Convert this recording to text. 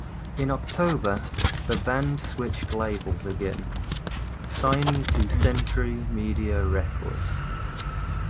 In October, the band switched labels again, signing to Century Media Records.